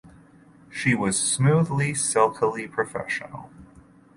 She was smoothly, silkily professional.